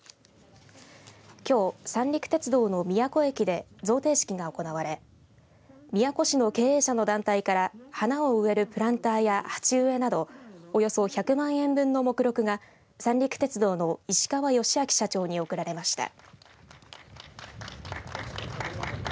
きょう三陸鉄道の宮古駅で贈呈式が行われ宮古市の経営者の団体から花を植えるプランターや鉢植えなどおよそ１００万円分の目録が三陸鉄道の石川義晃社長に贈られました。